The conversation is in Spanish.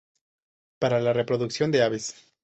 Para la reproducción de aves.